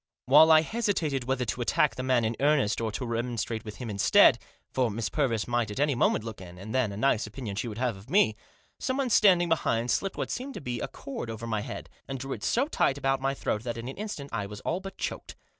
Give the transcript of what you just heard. While I hesitated whether to attack the man in earnest or to remonstrate with him instead — for Miss Purvis might at any moment look in, and then a nice opinion she would have of me — someone standing behind slipped what seemed to be a cord over my head, and drew it so tight about my throat that in an instant I was all but choked.